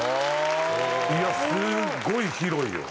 いやすごい広いよ。